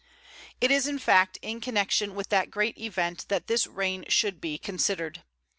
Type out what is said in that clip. It is in fact in connection with that great event that this reign should be considered.